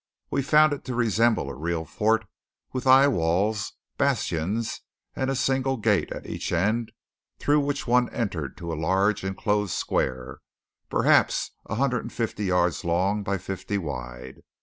We found it to resemble a real fort, with high walls, bastions, and a single gate at each end through which one entered to a large enclosed square, perhaps a hundred and fifty yards long by fifty wide.